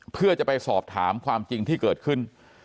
เพื่อจะไปสอบถามความจริงที่เกิดขึ้น